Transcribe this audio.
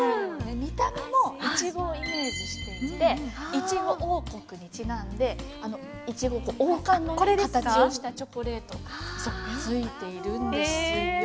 見た目もいちごをイメージしていていちご王国にちなんで王冠の形をしたチョコレートついているんですよ。